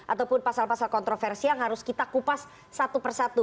ataupun pasal pasal kontroversi yang harus kita kupas satu persatu